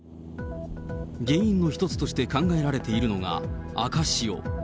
原因の一つとして考えられているのが赤潮。